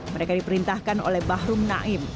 mereka diperintahkan oleh bahrum naim